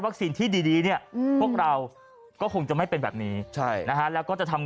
วัคซีนที่ดีเนี่ยพวกเราก็คงจะไม่เป็นแบบนี้แล้วก็จะทำ